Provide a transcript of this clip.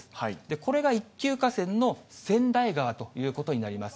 これが一級河川の川内川ということになります。